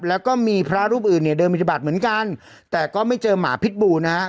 แล้วก็มีพระรูปอื่นเนี่ยเดินปฏิบัติเหมือนกันแต่ก็ไม่เจอหมาพิษบูนะฮะ